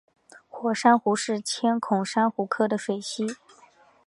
火珊瑚是千孔珊瑚科的水螅。